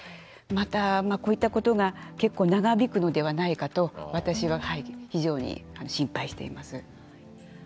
また、こういったことが結構、長引くのではないかと私は非常に心配しています。